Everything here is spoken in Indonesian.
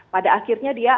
pada akhirnya dia